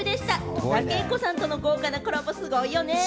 戸田恵子さんとの豪華なコラボ、すごいよね。